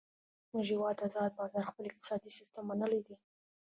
زمونږ هیواد ازاد بازار خپل اقتصادي سیستم منلی دی.